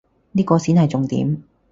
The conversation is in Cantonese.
呢個先係重點